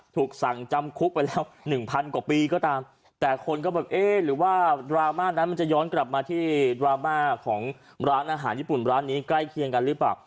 ถูกสั่งจำคุกไปแล้วหนึ่งพันกว่าปีก็ตามแต่คนก็แบบเอ๊ะหรือว่าดราม่านั้นมันจะย้อนกลับมาที่ดราม่าของร้านอาหารญี่ปุ่นร้านนี้ใกล้เคียงกันหรือเปล่า